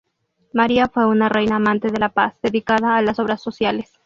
María fue una reina amante de la paz, dedicada a las obras sociales.